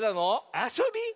あそび？